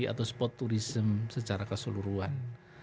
atau sport tourism secara keseluruhan